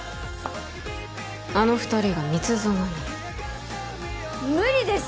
あの２人が蜜園に無理です